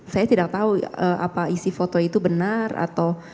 saya tidak tahu apa isi foto itu benar atau